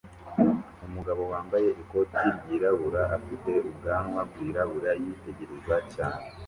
Umugabo wambaye ikoti ryirabura afite ubwanwa bwirabura yitegereza cyane